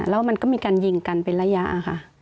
แล้วมันก็มีการยิงกันเป็นระยะค่ะ